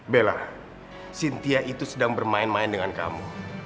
bella cynthia itu sedang bermain main dengan kamu